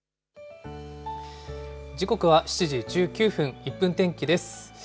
時刻は７時１９分、１分天気です。